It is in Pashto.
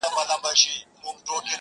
ه زړه مي په سينه كي ساته-